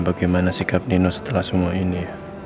bagaimana sikap dino setelah semua ini